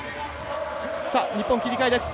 日本、切り替えです。